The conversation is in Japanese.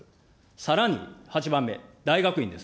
さらに８番目、大学院です。